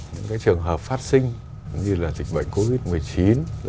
những trường hợp phát sinh như là dịch bệnh covid một mươi chín